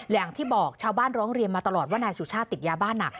อย่างที่บอกชาวบ้านร้องเรียนมาตลอดว่านายสุชาติติดยาบ้านหนัก